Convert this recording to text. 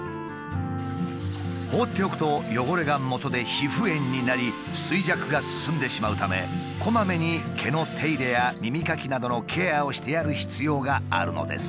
放っておくと汚れがもとで皮膚炎になり衰弱が進んでしまうためこまめに毛の手入れや耳かきなどのケアをしてやる必要があるのです。